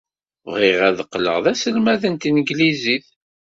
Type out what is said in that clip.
Bɣiɣ ad qqleɣ d aselmad n tanglizit.